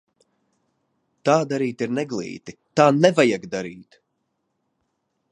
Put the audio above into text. Tā darīt ir neglīti, tā nevajag darīt!